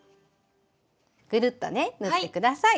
ぐるっとね縫って下さい。